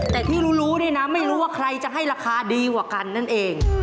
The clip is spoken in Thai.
แต่ที่รู้เนี่ยนะไม่รู้ว่าใครจะให้ราคาดีกว่ากันนั่นเอง